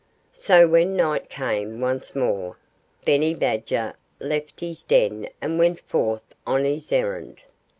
So when night came once more, Benny Badger left his den and went forth on his errand.